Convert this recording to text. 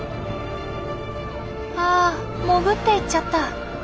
あ潜って行っちゃった。